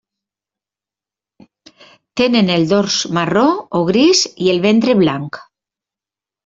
Tenen el dors marró o gris i el ventre blanc.